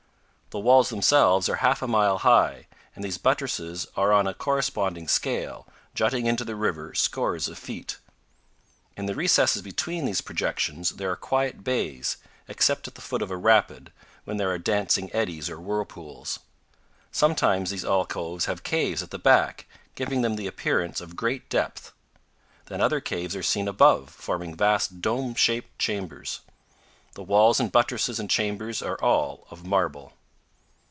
The walls themselves are half a mile high, and these buttresses are on a corresponding scale, jutting into the river scores of feet. In the recesses between these projections there are quiet bays, except at the foot of a rapid, when there are dancing eddies or whirlpools. Sometimes these alcoves have caves at the back, giving them the appearance of great depth. Then other caves are seen above, forming vast dome shaped chambers. The walls and buttresses and chambers are all of marble.